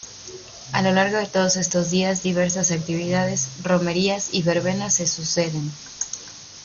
A lo largo de todos estos días diversas actividades, romerías y verbenas se suceden.